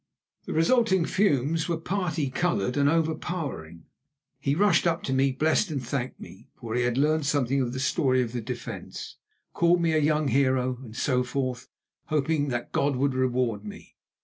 The resulting fumes were parti coloured and overpowering. He rushed up to me, blessed and thanked me (for he had learnt something of the story of the defence), called me a young hero and so forth, hoping that God would reward me.